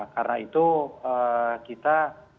karena itu kita